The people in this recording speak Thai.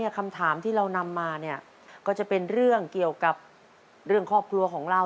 คำถามที่เรานำมาก็จะเป็นเรื่องเกี่ยวกับเรื่องครอบครัวของเรา